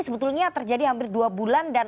sebetulnya terjadi hampir dua bulan dan